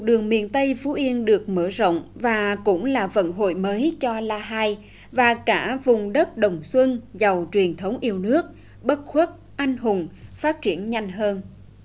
đường miền tây phú yên được mở rộng và cũng là vận hội mới cho la hai và cả vùng đất đồng xuân giàu truyền thống yêu nước bất khuất anh hùng phát triển nhanh hơn